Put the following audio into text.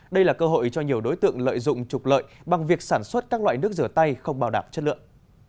đây là cơ hội cho nhiều đối tượng lợi dụng trục lợi bằng việc sản xuất các loại nước rửa tay không bảo đảm chất lượng